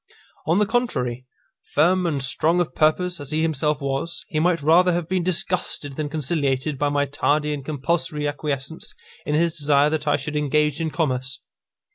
On the contrary, firm and strong of purpose as he himself was, he might rather have been disgusted than conciliated by my tardy and compulsory acquiescence in his desire that I should engage in commerce.